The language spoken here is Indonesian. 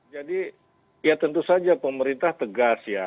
jadi ya tentu saja pemerintah tegas ya